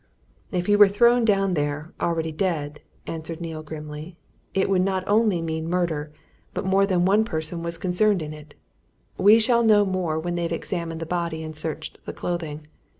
"If he was thrown down there, already dead," answered Neale grimly, "it would not only mean murder but that more than one person was concerned in it. We shall know more when they've examined the body and searched the clothing.